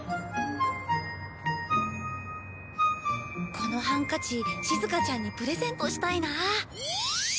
このハンカチしずかちゃんにプレゼントしたいなあ。